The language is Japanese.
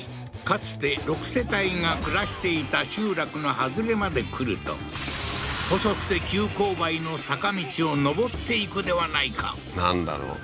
かつて６世帯が暮らしていた集落の外れまで来ると細くて急勾配の坂道を上っていくではないかなんだろう？